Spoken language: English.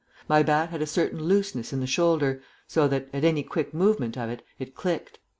My bat had a certain looseness in the shoulder, so that, at any quick movement of it, it clicked.